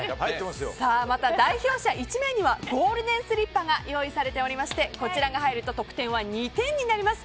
また、代表者１名にはゴールデンスリッパが用意されておりましてこちらが入ると得点は２点になります。